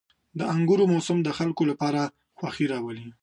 • د انګورو موسم د خلکو لپاره خوښي راولي.